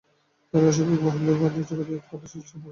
তার এই অস্বাভাবিক বাহুল্যের দ্বারা জগতে সে উৎপাতের সৃষ্টি করে।